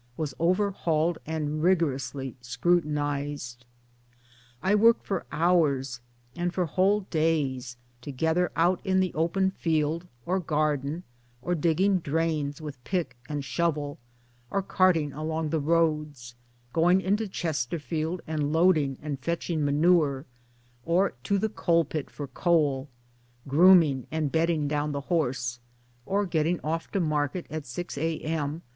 was overhauled and rigorously scrutinized. I worked for hours and for whole days together out in the open field, or garden, or digging drains with pick and shovel, or carting along the roads ; going into Chesterfield and loading and fetching manure, or to the coalpit for coal, grooming and bedding down the horse, or getting off to market at 6 a.m.